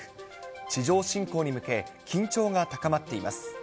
地上侵攻に向け、緊張が高まっています。